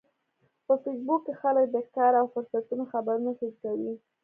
په فېسبوک کې خلک د کار او فرصتونو خبرونه شریکوي